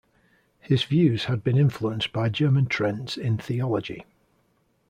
His views had been influenced by German trends in theology.